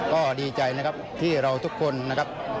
ก็ดีใจนะครับที่เราทุกคนนะครับ